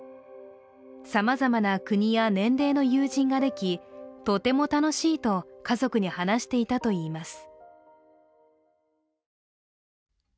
さまざまな国や年齢の友人ができとても楽しいと家族に話していたといいます。